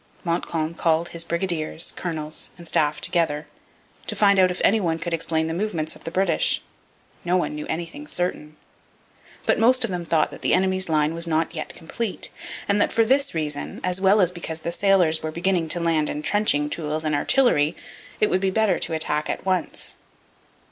Montcalm called his brigadiers, colonels, and staff together, to find out if anyone could explain the movements of the British. No one knew anything certain. But most of them thought that the enemy's line was not yet complete, and that, for this reason, as well as because the sailors were beginning to land entrenching tools and artillery, it would be better to attack at once.